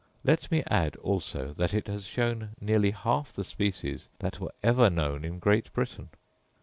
Let me add also that it has shown near half the species that were ever known in Great Britain.